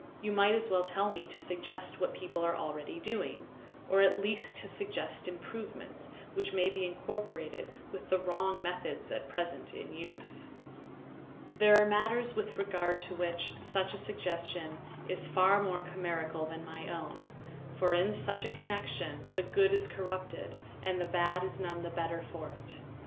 You might as well tell me to suggest what people are doing already, or at least to suggest improvements which may be incorporated with the wrong methods at present in use. There are matters with regard to which such a suggestion is far more chimerical than my own, for in such a connection the good is corrupted and the bad is none the better for it.